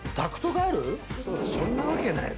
そんなわけないよ。